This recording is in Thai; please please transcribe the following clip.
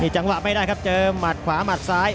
จังหวะไม่ได้ครับเจอหมัดขวาหมัดซ้าย